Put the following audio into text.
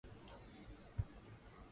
asilimia tisini na sita mzee makamba